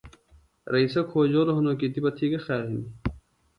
رئیسہ کھوجولوۡ ہِنوۡ کی تِپہ تھی گہ خیال ہِنیۡ